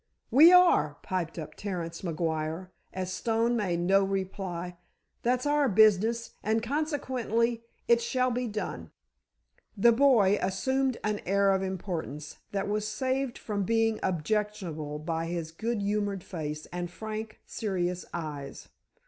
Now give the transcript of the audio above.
"We are," piped up Terence McGuire, as Stone made no reply. "That's our business, and, consequentially, it shall be done." The boy assumed an air of importance that was saved from being objectionable by his good humored face and frank, serious eyes.